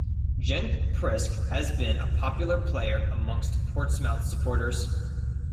Genk, Priske has been a popular player amongst Portsmouth supporters.